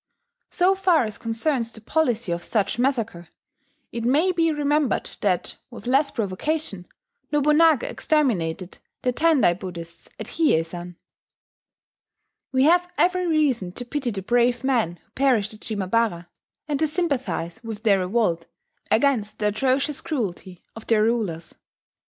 So far as concerns the policy of such massacre, it may be remembered that, with less provocation, Nobunaga exterminated the Tendai Buddhists at Hiyei san. We have every reason to pity the brave men who perished at Shimabara, and to sympathize with their revolt against the atrocious cruelty of their rulers.